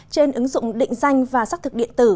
trên ứng dụng định danh và xác thực điện tử